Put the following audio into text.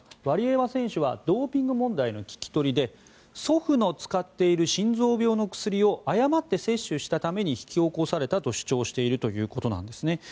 ワリエワ選手はドーピング問題の聞き取りで祖父の使っている心臓病の薬を誤って摂取したために引き起こされたと主張しているということなんです。